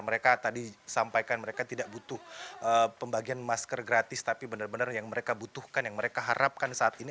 mereka tadi sampaikan mereka tidak butuh pembagian masker gratis tapi benar benar yang mereka butuhkan yang mereka harapkan saat ini